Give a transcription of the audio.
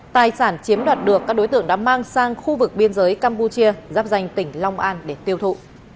tài sản chiếm đoạt được các đối tượng đã mang sang khu vực biên giới campuchia giáp danh tỉnh long an để tiêu thụ